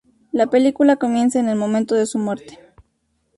La película comienza en el momento de su muerte.